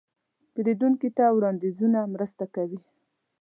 پیرودونکي ته وړاندیزونه مرسته کوي.